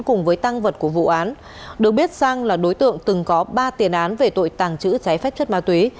cùng với tăng vật của vụ án được biết sang là đối tượng từng có ba tiền án về tội tàng trữ trái phép chất ma túy